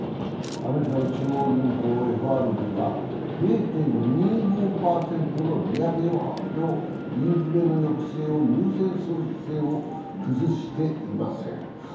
アメリカの中央銀行＝ＦＲＢは０．２５％の利上げを発表、インフレの抑制を優先する姿勢を崩していません。